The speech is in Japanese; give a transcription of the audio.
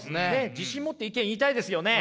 自信持って意見言いたいですよね。